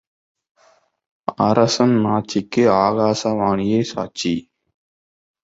அரசன் ஆட்சிக்கு ஆகாச வாணியே சாட்சி.